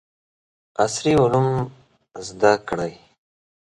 عصري علوم زده کړي.